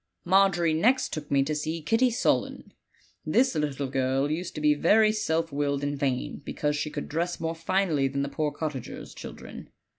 f "Margery next took me to see Kitty Sullen. This little girl used to be very self willed and vain, because she could dress more finely than the poor cottagers' children.